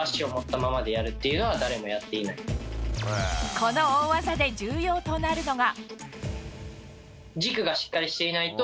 この大技で重要となるのが。